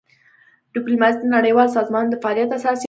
ډیپلوماسي د نړیوالو سازمانونو د فعالیت اساسي برخه ده.